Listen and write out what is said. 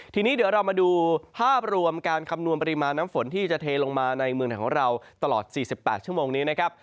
ทีนี้เดี๋ยวเรามาดูภาพรวมการคำนวณปริมาณน้ำฝนที่จะเทลงมาในเมืองไทยของเราตลอด๔๘ชั่วโมงนี้นะครับ